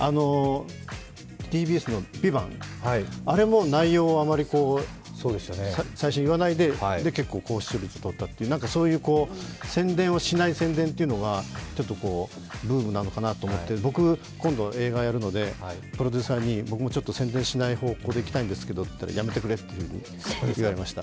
ＴＢＳの「ＶＩＶＡＮＴ」、あれも内容を最初言わないで最初、言わないで結構高視聴率をとったというそういう宣伝をしない宣伝というのがちょっとブームなのかなと思って僕、今度映画をやるのでプロデューサーに僕もちょっと宣伝しない方向でやりたいんですけどって言ったらやめてくれって言われました。